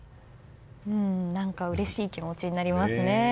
何か、うれしい気持ちになりますね。